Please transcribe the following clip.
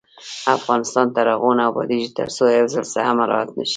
افغانستان تر هغو نه ابادیږي، ترڅو حفظ الصحه مراعت نشي.